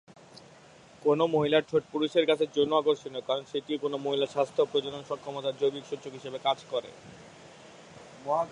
কোনও মহিলার ঠোঁট পুরুষদের কাছে যৌন আকর্ষণীয় কারণ সেটি কোনও মহিলার স্বাস্থ্য এবং প্রজনন সক্ষমতার জৈবিক সূচক হিসাবে কাজ করে।